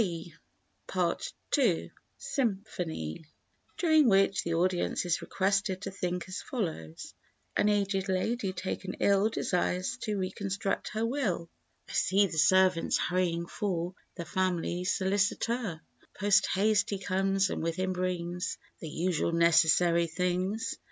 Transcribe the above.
(B) Part II Symphony (During which the audience is requested to think as follows:) An aged lady taken ill Desires to reconstruct her will; I see the servants hurrying for The family solicitor; Post haste he comes and with him brings The usual necessary things.